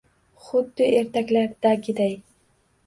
Xuddi, ertaklardagiday…